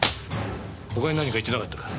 他に何か言ってなかったか？